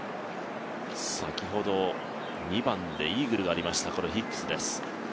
先ほど２番でイーグルがありました、ヒッグスです。